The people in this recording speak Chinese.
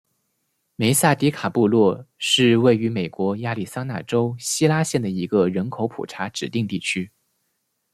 梅萨迪卡布洛是位于美国亚利桑那州希拉县的一个人口普查指定地区。